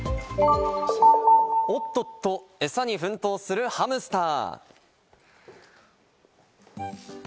おっとっと、エサに奮闘するハムスター。